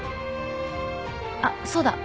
あっそうだ。